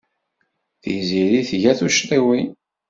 Tiziri tga tuccḍiwin.